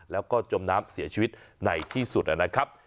แล้วก็จมน้ำเสียชีวิตในที่สุดนะครับ